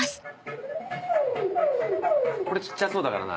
これ小っちゃそうだからな。